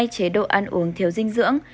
hai chế độ ăn uống thiếu dinh dưỡng